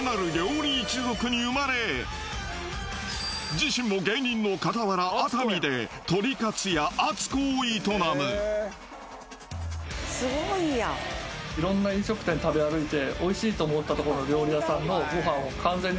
自身も芸人の傍ら熱海でとりかつ屋あつこを営むいろんな飲食店食べ歩いて。